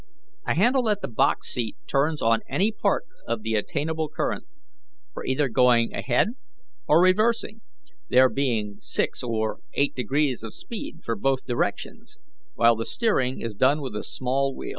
A handle at the box seat turns on any part of the attainable current, for either going ahead or reversing, there being six or eight degrees of speed for both directions, while the steering is done with a small wheel.